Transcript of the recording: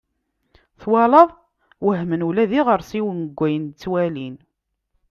Twalaḍ! Wehmen ula d iɣersiwen deg wayen i la ttwalin.